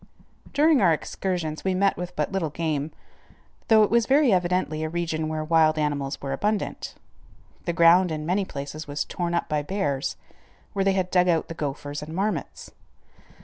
_ During our excursions we met with but little game, though it was very evidently a region where wild animals were abundant. The ground in many places was torn up by bears, where they had dug out the gophers and marmots.